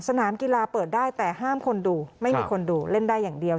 สนามกีฬาเปิดได้แต่ห้ามคนดูไม่มีคนดูเล่นได้อย่างเดียว